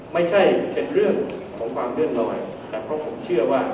ไม่ใช่เป็นเรื่องของความเลื่อนลอยแต่เพราะผมเชื่อว่า